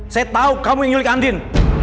saya tahu kamu yang nyulik andin